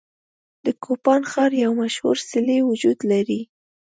د کوپان ښار یو مشهور څلی وجود لري.